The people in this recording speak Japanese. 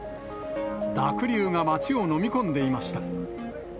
濁流が町を飲み込んでいました。